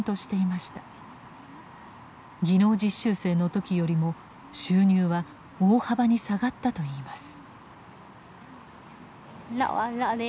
技能実習生の時よりも収入は大幅に下がったといいます。